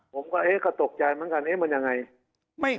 ผมก็เอ๊ะก็ตกใจเหมือนกันมันยังไง